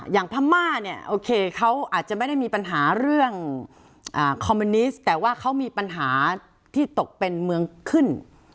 พม่าเนี่ยโอเคเขาอาจจะไม่ได้มีปัญหาเรื่องคอมมิวนิสต์แต่ว่าเขามีปัญหาที่ตกเป็นเมืองขึ้น